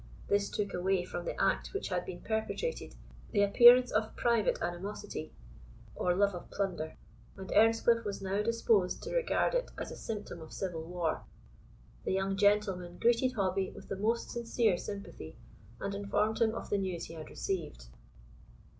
This took away from the act which had been perpetrated the appearance of private animosity, or love of plunder; and Earnscliff was now disposed to regard it as a symptom of civil war. The young gentleman greeted Hobbie with the most sincere sympathy, and informed him of the news he had received.